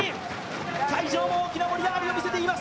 会場も大きな盛り上がりを見せています。